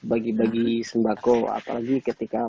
bagi bagi sembako apalagi ketika